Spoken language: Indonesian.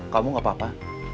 kamu gak apa apa